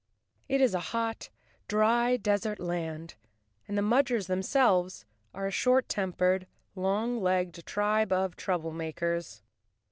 It is a hot, dry, desert land and the Mudgers themselves are a short tempered, long legged tribe of trouble¬ makers.